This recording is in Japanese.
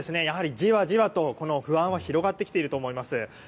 やはりじわじわと不安は広がってきていると思います。